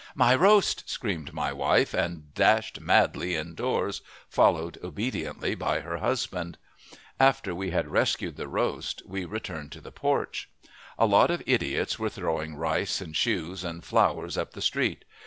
"My roast!" screamed my wife, and dashed madly indoors, followed obediently by her husband. After we had rescued the roast we returned to the porch. A lot of idiots were throwing rice and shoes and flowers up the street.